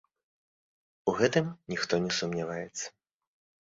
У гэтым ніхто не сумняваецца.